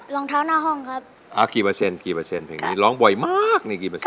รองเท้าหน้าห้องครับอ่ากี่เปอร์เซ็นกี่เปอร์เซ็นเพลงนี้ร้องบ่อยมากนี่กี่เปอร์เซ็